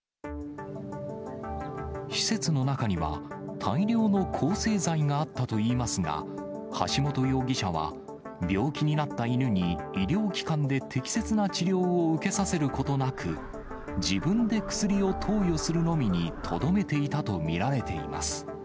施設の中には、大量の抗生剤があったといいますが、橋本容疑者は、病気になった犬に、医療機関で適切な治療を受けさせることなく、自分で薬を投与するのみにとどめていたと見られています。